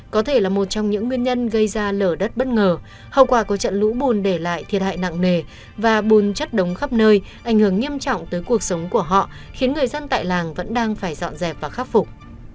có thể là một trong những nguyên nhân gây ra lở đất bất ngờ hậu quả của trận lũ bùn để lại thiệt hại nặng nề và bùn chất đống khắp nơi ảnh hưởng nghiêm trọng tới cuộc sống của họ khiến người dân tại làng vẫn đang phải dọn dẹp và khắc phục